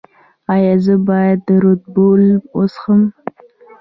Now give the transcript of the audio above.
ایا زه باید ردبول وڅښم؟